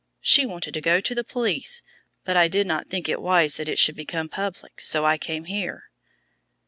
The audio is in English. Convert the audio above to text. She wanted me to go to the police, but I did not think it wise that it should become public, so I came here."